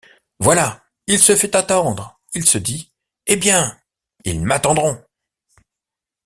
voilà! il se fait attendre ! il se dit: Eh bien ! ils m’attendront !